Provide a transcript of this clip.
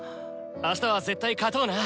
あしたは絶対勝とうな！